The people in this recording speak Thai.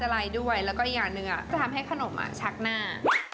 แล้วก็อย่าเนื้อจะทำให้ขนมชักหน้า